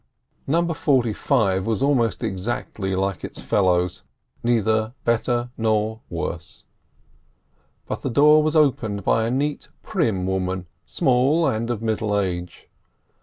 No. 45 was almost exactly like its fellows, neither better nor worse; and the door was opened by a neat, prim woman, small, and of middle age.